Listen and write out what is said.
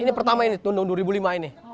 ini pertama ini tahun dua ribu lima ini